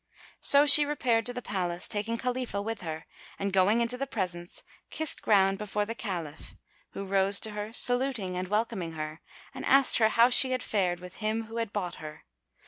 So she repaired to the Palace, taking Khalifah with her, and going into the presence, kissed ground before the Caliph, who rose to her, saluting and welcoming her, and asked her how she had fared with him who had bought her.